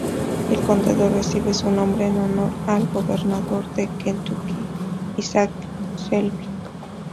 El condado recibe su nombre en honor al Gobernador de Kentucky Isaac Shelby.